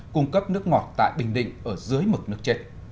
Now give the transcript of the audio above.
cung cấp nước ngọt tại bình định ở dưới mực nước chết